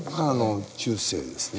中世ですね。